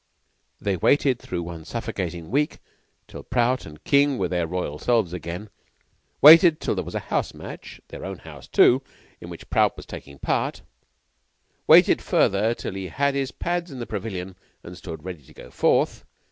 They waited through one suffocating week till Prout and King were their royal selves again; waited till there was a house match their own house, too in which Prout was taking part; waited, further, till he had his pads in the pavilion and stood ready to go forth.